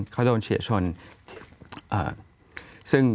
เขาโดนเฉียวชน